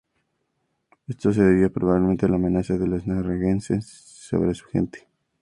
Esto se debía probablemente a la amenaza de los Narragansett sobre su gente.